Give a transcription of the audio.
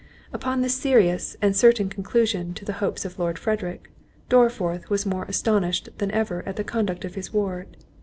Upon this serious and certain conclusion to the hopes of Lord Frederick, Dorriforth was more astonished than ever at the conduct of his ward.